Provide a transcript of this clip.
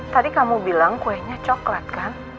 tadi kamu bilang kuenya coklat kan